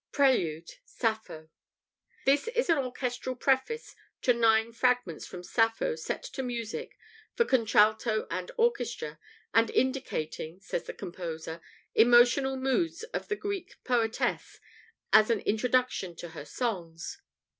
] PRELUDE, "SAPPHO" This is an orchestral preface to nine fragments from Sappho set to music for contralto and orchestra, and "indicating," says the composer, "emotional moods of the Greek poetess as an introduction to her songs."